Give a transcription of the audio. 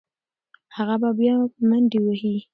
هغه به بیا منډې وهي.